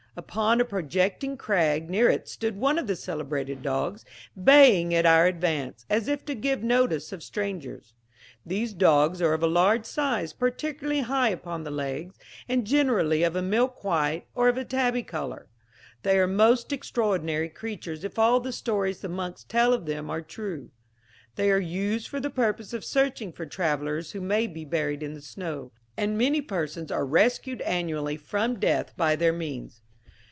Upon a projecting crag near it stood one of the celebrated dogs, baying at our advance, as if to give notice of strangers. These dogs are of a large size, particularly high upon the legs, and generally of a milk white, or of a tabby colour. They are most extraordinary creatures, if all the stories the monks tell of them are true. They are used for the purpose of searching for travellers who may be buried in the snow; and many persons are rescued annually from death by their means.